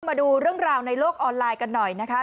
มาดูเรื่องราวในโลกออนไลน์กันหน่อยนะคะ